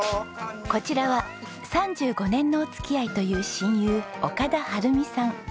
こちらは３５年のお付き合いという親友岡田治美さん。